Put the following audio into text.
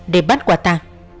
để bắt quả ta